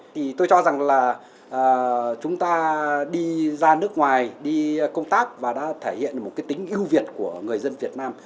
thì tôi cho rằng là chúng ta đi ra nước ngoài đi công tác và đã thể hiện một cái tính ưu việt của người dân việt nam